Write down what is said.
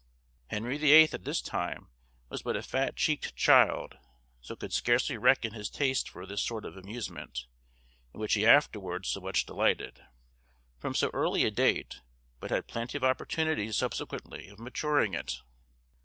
Henry the Eighth at this time was but a fat cheeked child, so could scarcely reckon his taste for this sort of amusement—in which he afterwards so much delighted—from so early a date, but had plenty of opportunities subsequently of maturing it.